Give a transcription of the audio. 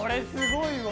すごい！